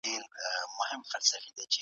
نومونه یاد کړئ.